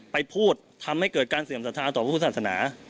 ไปพูดทำให้เกิดการเสื่อมศาสนาต่อผู้ศาสนา